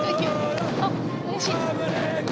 あっうれしい。